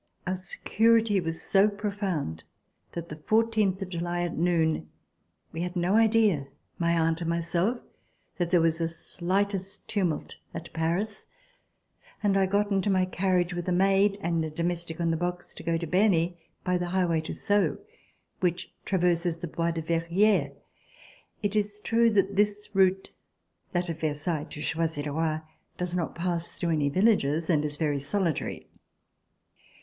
Our security was so profound that the 14 July at noon we had no idea, my aunt and myself, that there was the slightest tumult at Paris, and I got into my carriage with a maid, and a domestic on the box, to go to Berny by the highway to Sceaux which traverses the Bois de Verrieres. It is true that this route, that of Versailles to Choisy le Roi, does not pass through any villages and is very solitary.